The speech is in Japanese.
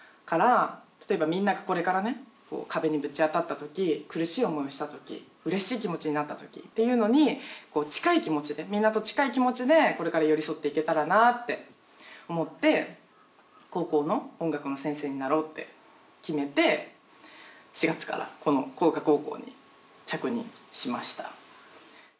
例えばみんながこれからね壁にぶち当たったとき苦しい思いをしたときうれしい気持ちになったときっていうのに近い気持ちでみんなと近い気持ちでこれから寄り添っていけたらなって思って高校の音楽の先生になろうって決めて４月からこの口加高校に着任しました。